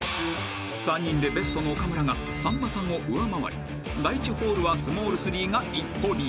［３人でベストの岡村がさんまさんを上回り第１ホールはスモール３が一歩リード］